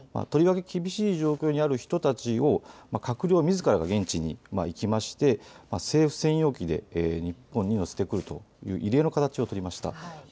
とりわけ厳しい状況にある人たちを閣僚みずからが現地に行きまして政府専用機で日本に乗せてくるという異例の形を取りました。